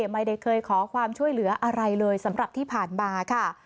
ไม่เคยขอความช่วยเหลืออะไรเลยสำหรับที่ผ่านมาค่ะ